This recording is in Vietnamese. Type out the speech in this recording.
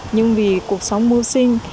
nhưng vì cuộc sống mưu sinh